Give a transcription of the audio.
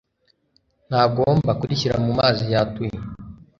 ntagomba kurishyira mu mazi yatuye